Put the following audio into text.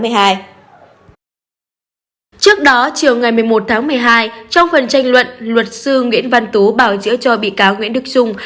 trước đó chiều ngày một mươi một tháng một mươi hai trong phần tranh luận luật sư nguyễn văn tú bảo chữa cho bị cáo nguyễn đức trung